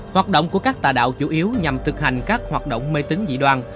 hoạt động của các tà đạo chủ yếu nhằm thực hành các hoạt động mê tính dị đoan